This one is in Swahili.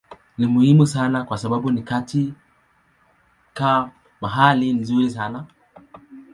Ni muhimu sana kwa sababu ni katika mahali nzuri sana.